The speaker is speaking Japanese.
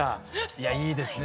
いやいいですね。